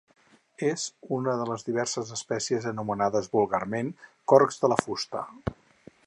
És una de les diverses espècies anomenades vulgarment corcs de la fusta.